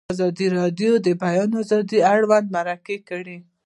ازادي راډیو د د بیان آزادي اړوند مرکې کړي.